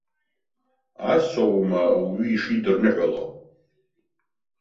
Асоума ауаҩы ишидырныҳәало.